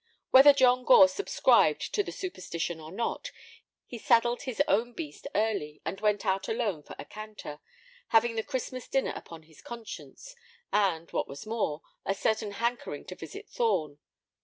Whether John Gore subscribed to the superstition or not, he saddled his own beast early and went out alone for a canter, having the Christmas dinner upon his conscience, and, what was more, a certain hankering to visit Thorn.